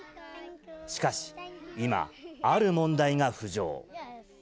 しかし、今、ある問題が浮上。